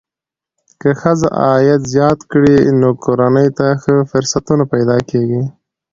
که ښځه عاید زیات کړي، نو کورنۍ ته ښه فرصتونه پیدا کېږي.